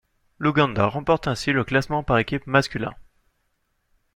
L'Ouganda remporte ainsi le classement par équipes masculin.